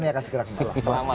terima kasih kira kira